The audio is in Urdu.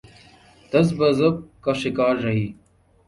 تذبذب کا شکار رہی۔